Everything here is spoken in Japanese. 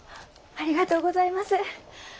ありがとうございます。